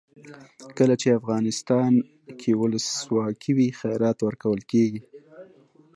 کله چې افغانستان کې ولسواکي وي خیرات ورکول کیږي.